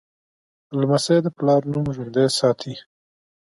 لمسی د پلار نوم ژوندی ساتي.